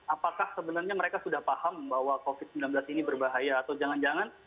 apakah sebenarnya mereka sudah paham bahwa covid sembilan belas ini berbahaya atau jangan jangan